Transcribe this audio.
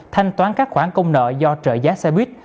thanh toán các khoản công nợ do trợ giá xe buýt